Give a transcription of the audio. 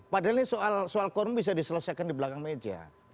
padahal ini soal kon bisa diselesaikan di belakang meja